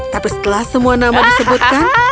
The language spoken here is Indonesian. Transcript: tapi setelah semua nama disebutkan